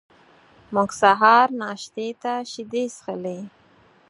موږ سهار ناشتې ته شیدې څښلې.